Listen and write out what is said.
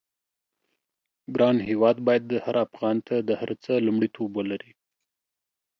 ګران هېواد بايد هر افغان ته د هر څه لومړيتوب ولري.